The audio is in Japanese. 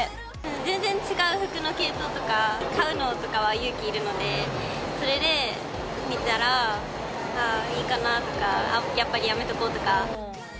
全然違う服の系統とか、買うのとかは勇気いるので、それで、見たら、いいかなとか、やっぱりやめとこうとか。